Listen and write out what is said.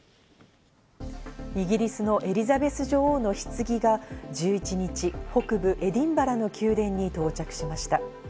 イギリスのエリザベス女王のひつぎが１１日、北部エディンバラの宮殿に到着しました。